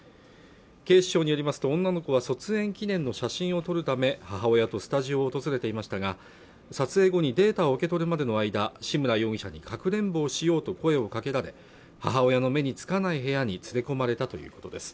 警視庁によりますと女の子は卒園記念の写真を撮るため母親とスタジオを訪れていましたが撮影後にデータを受け取るまでの間志村容疑者にかくれんぼをしようと声をかけられ母親の目につかない部屋に連れ込まれたということです